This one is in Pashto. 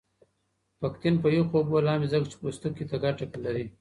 پکتین په یخو اوبو لامبې ځکه چې پوستکې ته ګټه لری.